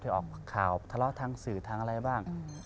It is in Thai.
ออกข่าวทะเลาะทางสื่อทางอะไรบ้าง